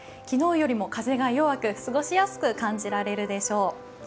昨日よりも風が弱く過ごしやすく感じられるでしょう。